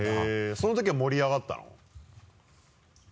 そのときは盛り上がったの？